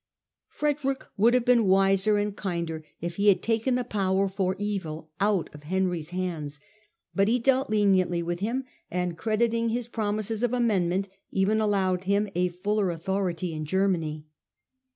Frederick would have been wiser and kinder if he had taken the power for evil out of Henry's hands ; but he dealt leniently with him and, crediting his promises of amendment, even allowed him a fuller authority in Germany.